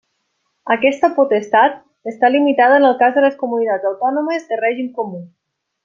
Aquesta potestat està limitada en el cas de les comunitats autònomes de règim comú.